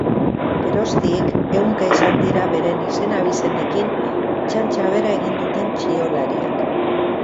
Geroztik, ehunka izan dira beren izen-abizenekin txantxa bera egin duten txiolariak.